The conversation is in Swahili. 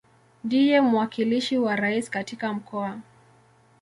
Ndiye mwakilishi wa Rais katika Mkoa.